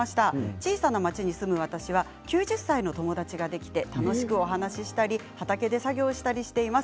小さな町に住む私は９０歳の友達ができて楽しくお話ししたり畑で作業をしたりしています。